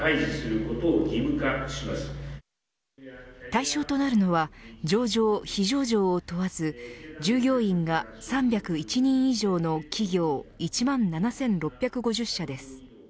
対象となるのは上場、非上場を問わず従業員が３０１人以上の企業１万７６５０社です。